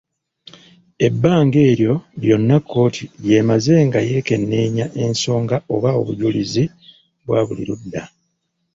Ebbanga eryo lyonna kooti ly'emaze nga yeekeneennya ensonga/obujulizi bwa buli ludda.